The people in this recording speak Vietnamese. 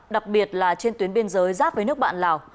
đặc biệt là trên tuyến biên giới giáp với nước bạn lào